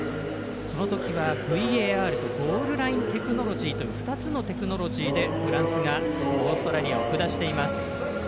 その時はＶＡＲとゴールラインテクノロジーという２つのテクノロジーでフランスがオーストラリアを下しています。